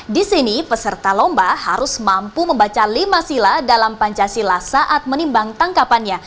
di sini peserta lomba harus mampu membaca lima sila dalam pancasila saat menimbang tangkapannya